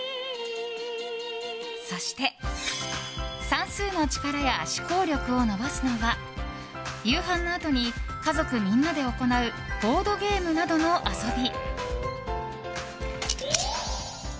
そして、算数の力や思考力を伸ばすのは夕飯のあとに家族みんなで行うボードゲームなどの遊び。